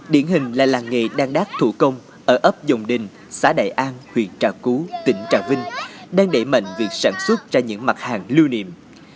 điển hình là làng nghề đan đác thủ công ở ấp dòng đình xã đại an huyện trà cú tỉnh trà vinh đang đẩy mạnh việc sản xuất ra những mặt hàng lưu niệm